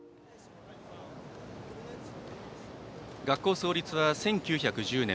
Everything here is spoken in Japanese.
学校創立は１９１０年